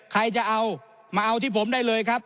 ใครจะเอามาเอาที่ผมได้เลยครับ